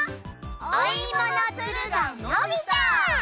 おいものつるが伸びた！